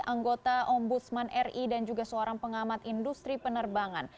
anggota ombudsman ri dan juga seorang pengamat industri penerbangan